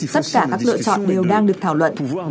tất cả các lựa chọn đều đang được thảo luận